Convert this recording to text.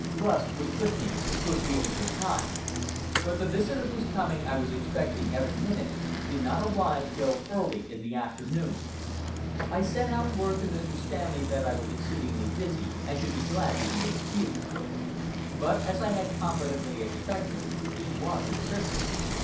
Rust was with me a good deal of the time; but the visitor whose coming I was expecting every minute did not arrive till early in the afternoon. I sent out word to Mr. Stanley that I was exceedingly busy, and should be glad to be excused; but, as I had confidently expected, he was insistent.